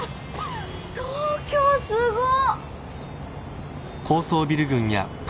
東京すごっ！